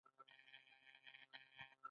دا د بحث وړ موضوعاتو طرحه ده.